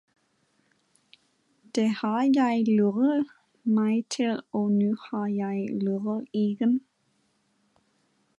Det har jeg luret mig til og nu har jeg luret igen